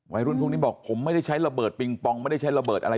รุ่นพวกนี้บอกผมไม่ได้ใช้ระเบิดปิงปองไม่ได้ใช้ระเบิดอะไร